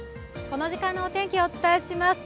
この時間のお天気をお伝えします。